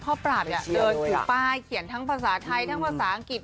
ปราบเนี่ยเดินถือป้ายเขียนทั้งภาษาไทยทั้งภาษาอังกฤษ